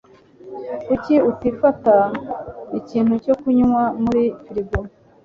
Kuki utifata ikintu cyo kunywa muri frigo?